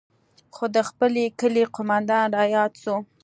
خو د خپل کلي قومندان راياد سو.